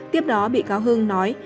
tiếp đó bị cáo hưng nói